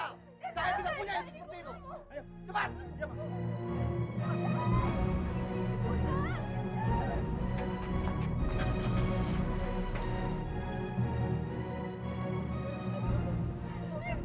atau saya lompat boleh suruh dia